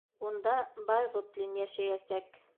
Унда Байғотлин йәшәйәсәк.